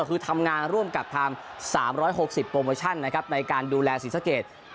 คือทำงานร่วมกับทาง๓๖๐โปรโมชั่นนะครับในการดูแลศรีสะเกด